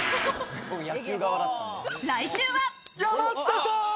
来週は。